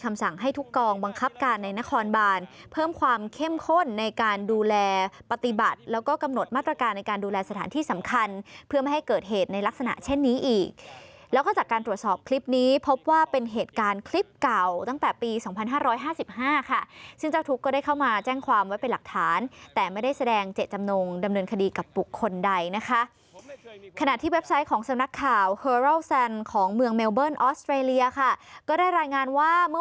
ทำสั่งให้ทุกกองบังคับการในนครบานเพิ่มความเข้มข้นในการดูแลปฏิบัติแล้วก็กำหนดมาตรการในการดูแลสถานที่สำคัญเพื่อไม่ให้เกิดเหตุในลักษณะเช่นนี้อีกแล้วก็จากการตรวจสอบคลิปนี้พบว่าเป็นเหตุการณ์คลิปเก่าตั้งแต่ปี๒๕๕๕ค่ะซึ่งเจ้าทุกก็ได้เข้ามาแจ้งความไว้เป็นหลักฐานแต่ไม่ได้แสดงเ